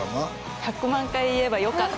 「１００万回言えばよかった」